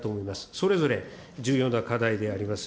それぞれ重要な課題であります。